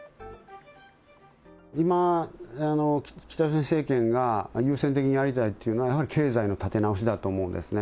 今、北朝鮮政権が優先的にやりたいというのは、やはり経済の立て直しだと思うんですね。